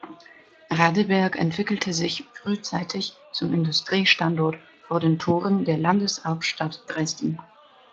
Radeberg entwickelte sich frühzeitig zum Industriestandort vor den Toren der Landeshauptstadt Dresden.